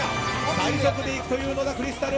最速で行くという野田クリスタル。